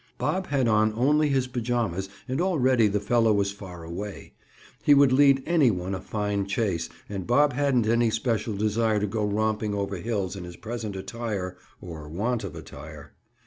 Bob had on only his pajamas and already the fellow was far away. He would lead any one a fine chase and Bob hadn't any special desire to go romping over hills in his present attire, or want of attire.